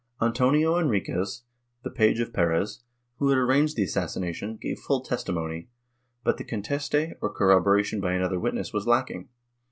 Antonio Enriquez, the page of Perez, who had arranged the assassination, gave full testimony, but the conteste, or corroboration by another witness was lacking.